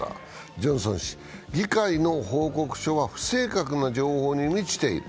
ジョンソン氏は、議会の報告書は不正確な情報に満ちている。